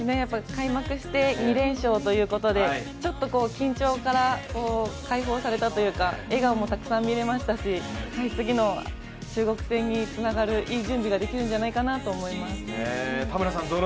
開幕して２連勝ということでちょっと緊張から開放されたというか、笑顔もたくさん見れましたし次の中国戦につながるいい試合ができると思います。